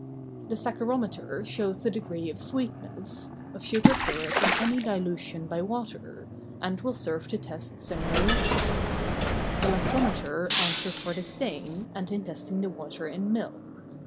The Saccharometer shows the degree of sweetness, of sugar syrup in any dilution by water, and will serve to test similar liquids. The Lactometer answers for the same, and in testing the water in milk.